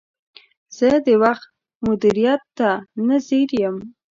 زه د وخت مدیریت ته نه ځیر یم.